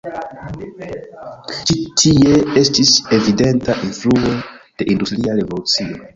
Ĉi tie estis evidenta influo de industria revolucio.